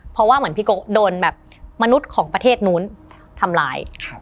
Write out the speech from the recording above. เพราะว่าเหมือนพี่โกะโดนแบบมนุษย์ของประเทศนู้นทำร้าย